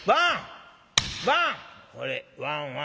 「ほれワンワン